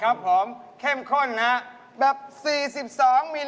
เอาของแดมมาชนของสวยอย่างงานตรงนี้ครับคุณแม่ตั๊ก